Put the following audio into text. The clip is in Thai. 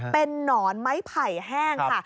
เป็นหนอนไม้ไผ่แห้งค่ะ